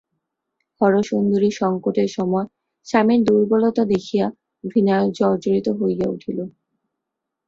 হরসুন্দরী সংকটের সময় স্বামীর দুর্বলতা দেখিয়া ঘৃণায় জর্জরিত হইয়া উঠিল।